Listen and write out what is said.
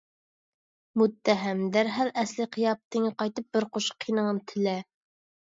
مۇتتەھەم! دەرھال ئەسلىي قىياپىتىڭگە قايتىپ بىر قوشۇق قېنىڭنى تىلە!